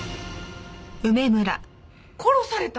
殺された？